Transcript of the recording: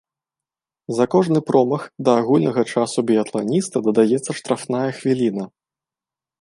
За кожны промах да агульнага часу біятланіста дадаецца штрафная хвіліна.